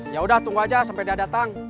ya udah tunggu aja sampai dia datang